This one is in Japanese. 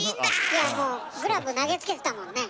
いやもうグラブ投げつけてたもんね。